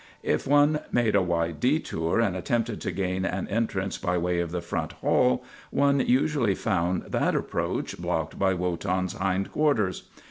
If one made a wide detour and attempted to gain an en trance by way of the front hall, one usually found that approach blocked by Wotan's hind quarters.